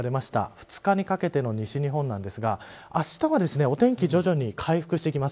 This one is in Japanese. ２日にかけての西日本ですがあしたは、お天気徐々に回復してきます。